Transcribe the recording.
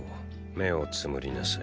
目を瞑りなさい。